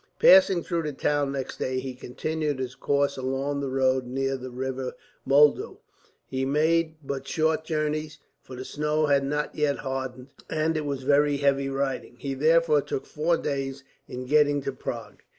Passing through the town, next day, he continued his course along the road near the river Moldau. He made but short journeys, for the snow had not yet hardened, and it was very heavy riding. He therefore took four days in getting to Prague.